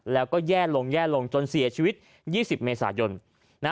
แล้วก็แย่ลงแย่ลงจนเสียชีวิต๒๐เมษายน